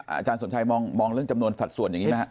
อาจารย์สมชัยมองเรื่องจำนวนสัดส่วนอย่างนี้ไหมครับ